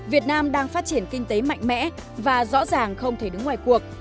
việt nam đang phát triển kinh tế mạnh mẽ và rõ ràng không thể đứng ngoài cuộc